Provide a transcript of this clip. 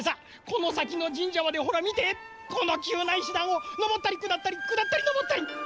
このさきのじんじゃまでほらみてこのきゅうないしだんをのぼったりくだったりくだったりのぼったり。